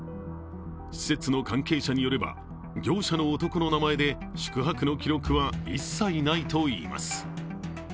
施設の関係者によれば、業者の男の名前で宿泊の記録は一切ないといいます。